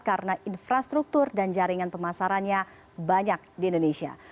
karena infrastruktur dan jaringan pemasarannya banyak di indonesia